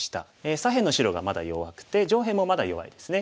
左辺の白がまだ弱くて上辺もまだ弱いですね。